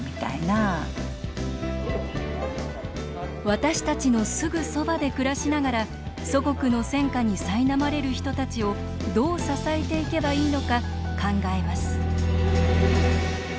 私たちのすぐそばで暮らしながら、祖国の戦禍にさいなまれる人たちをどう支えていけばいいのか考えます